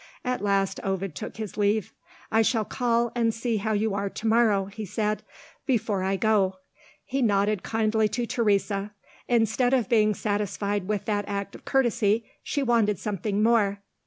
At last, Ovid took his leave. "I shall call and see how you are to morrow," he said, "before I go." He nodded kindly to Teresa. Instead of being satisfied with that act of courtesy, she wanted something more.